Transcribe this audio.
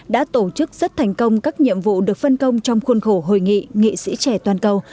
đã tổ chức rất thành công các nhiệm vụ được phân công trong khuôn khổ hội nghị nghị sĩ trẻ toàn cầu